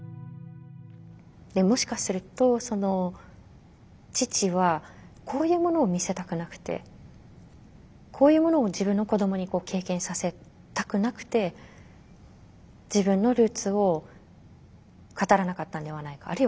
もしかすると父はこういうものを見せたくなくてこういうものを自分の子どもに経験させたくなくて自分のルーツを語らなかったんではないか。